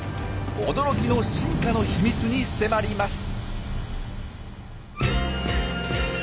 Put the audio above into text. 驚きの進化の秘密に迫ります！